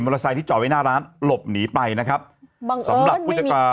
ขี่มอาวุธที่จอไว้หน้าร้านหลบหนีไปนะครับบังเอิญไม่มีสำหรับผู้จักร